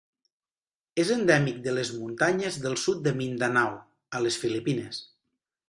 És endèmic de les muntanyes del sud de Mindanao, a les Filipines.